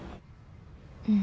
うん。